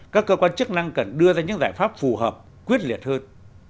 các cơ quan chức năng cần đưa ra những giải pháp phù hợp quyết liệt hơn